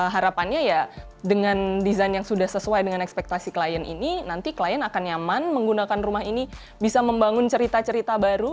harapannya ya dengan desain yang sudah sesuai dengan ekspektasi klien ini nanti klien akan nyaman menggunakan rumah ini bisa membangun cerita cerita baru